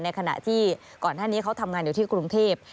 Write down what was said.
ขณะที่ก่อนหน้านี้เขาทำงานอยู่ที่กรุงเทพ